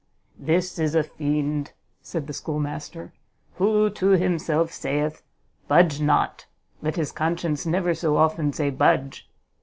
"This is a fiend," said the schoolmaster, "who to himself sayeth, Budge not! let his conscience never so often say _budge!